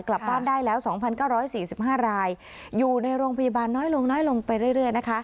กลับบ้านได้แล้วสองพันเก้าร้อยสี่สิบห้ารายอยู่ในโรงพยาบาลน้อยลงน้อยลงไปเรื่อยเรื่อยนะคะ